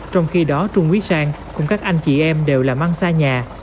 trong khi đó trung quý sang cùng các anh chị em đều là mang xa nhà